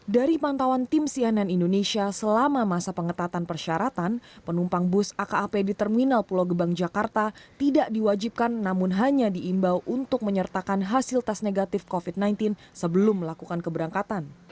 dari pantauan tim cnn indonesia selama masa pengetatan persyaratan penumpang bus akap di terminal pulau gebang jakarta tidak diwajibkan namun hanya diimbau untuk menyertakan hasil tes negatif covid sembilan belas sebelum melakukan keberangkatan